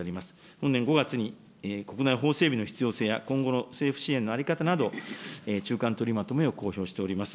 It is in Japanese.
本年５月に国内法整備の必要性や、今後の政府支援の在り方など、中間とりまとめを公表しております。